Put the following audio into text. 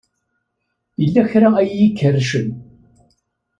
Yella kra ay iyi-ikerrcen.